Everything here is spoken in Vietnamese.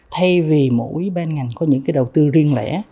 thay vì mỗi ban ngành có những cái đầu tư riêng lẻ